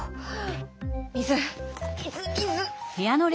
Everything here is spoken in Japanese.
水水水！